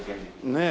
ねえ。